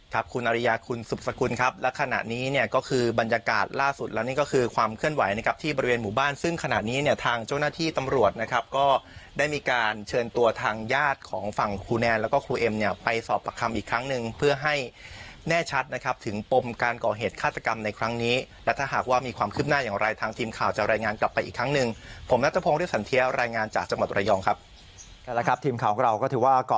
ครับคุณอริยาคุณสุปสรรคุณครับและขณะนี้เนี่ยก็คือบรรยากาศล่าสุดแล้วนี่ก็คือความเคลื่อนไหวนะครับที่บริเวณหมู่บ้านซึ่งขณะนี้เนี่ยทางเจ้าหน้าที่ตำรวจนะครับก็ได้มีการเชิญตัวทางญาติของฝั่งครูแนนแล้วก็ครูเอ็มเนี่ยไปสอบประคำอีกครั้งหนึ่งเพื่อให้แน่ชัดนะครับถึงปมการก่อเหตุฆาตก